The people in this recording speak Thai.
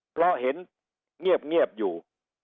เพราะเห็นเงียบอยู่